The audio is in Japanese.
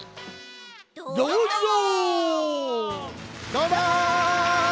どうも！